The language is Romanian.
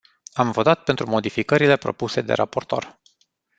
Am votat pentru modificările propuse de raportor.